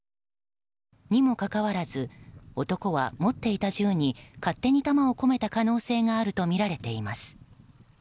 にもかかわらず男は、持っていた銃に勝手に弾を込めた可能性があるとみられています。